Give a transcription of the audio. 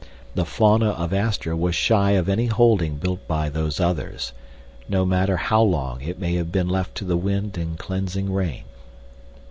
The fauna of Astra was shy of any holding built by Those Others, no matter how long it may have been left to the wind, and cleansing rain.